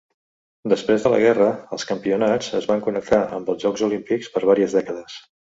Després de la guerra, els campionats es van connectar amb els Jocs Olímpics per vàries dècades.